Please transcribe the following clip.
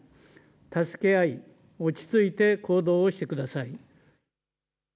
助け合い、落ち着いて行動をしてください。